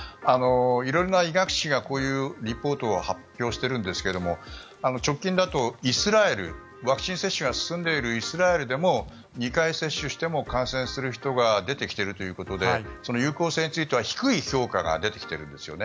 色々な医学誌がこういうリポートを発表しているんですが直近だとイスラエルワクチン接種が進んでいるイスラエルでも２回接種しても感染する人が出てきているということで有効性については低い評価が出てきているんですね。